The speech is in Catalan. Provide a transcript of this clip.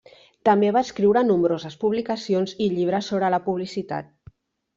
També va escriure nombroses publicacions i llibres sobre la publicitat.